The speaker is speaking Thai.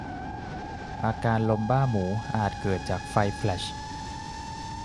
อาการลมบ้าหมูอาจเกิดจากไฟแฟลช